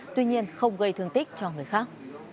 tuy nhiên không gây thương tích cho người khác